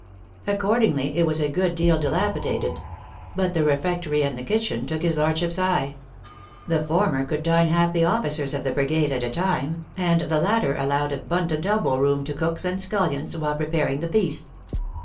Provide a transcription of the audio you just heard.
Accordingly, it was a good deal dilap idated. But the refectory and the kitchen took his lordship s eye. The former could dine half the officers of the brigade at a time, and the latter allowed abund ant elbow room to cooks and scullions, while prepar ing the feast.